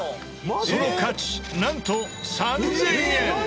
その価値なんと３０００円。